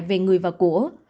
về người và của